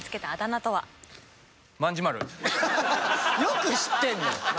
よく知ってるのよ。